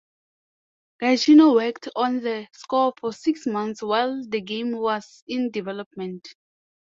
Giacchino worked on the score for six months while the game was in development.